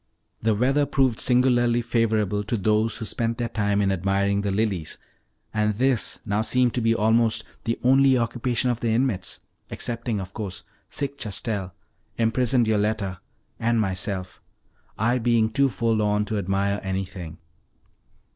The weather proved singularly favorable to those who spent their time in admiring the lilies, and this now seemed to be almost the only occupation of the inmates, excepting, of course, sick Chastel, imprisoned Yoletta, and myself I being too forlorn to admire anything.